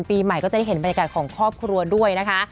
ปีใหม่ก็จะได้เห็นบรรยากาศของครอบครัวด้วยนะคะ